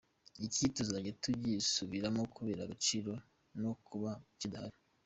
Iki tuzajya tugisubiramo kubera agaciro no kuba kidahari.